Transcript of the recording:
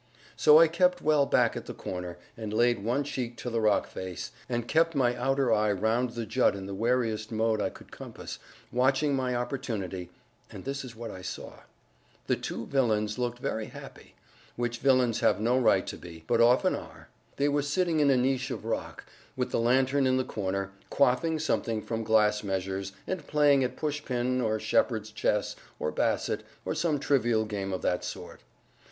So I kept well back at the corner, and laid one cheek to the rock face, and kept my outer eye round the jut in the wariest mode I could compass, watching my opportunity; and this is what I saw: The two villains looked very happy which villains have no right to be, but often are, meseemeth; they were sitting in a niche of rock, with the lantern in the corner, quaffing something from glass measures, and playing at pushpin, or shepherd's chess, or basset, or some trivial game of that sort.